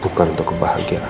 bukan untuk kebahagiaan